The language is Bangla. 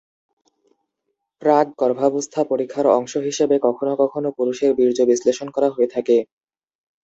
প্রাক গর্ভাবস্থা পরীক্ষার অংশ হিসাবে কখনও কখনও পুরুষের বীর্য বিশ্লেষণ করা হয়ে থাকে।